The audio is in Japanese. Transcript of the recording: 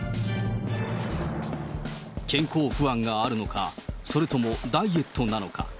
健康不安があるのか、それともダイエットなのか。